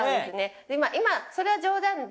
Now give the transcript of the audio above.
今それは冗談で。